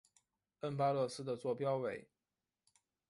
恩巴勒斯的座标为。